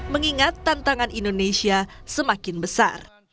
mengingat tantangan indonesia semakin besar